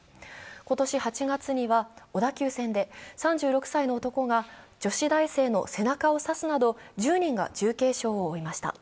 今年８月には小田急線で３６歳の男が女子大生の背中を刺すなど、１０人が重軽傷を負いました。